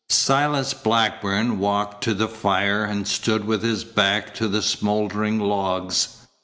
Silas Blackburn walked to the fire, and stood with his back to the smouldering logs.